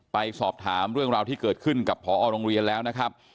ไปสอบถามเรื่องราวที่เกิดขึ้นกับพอโรงเรียนแล้วนะครับ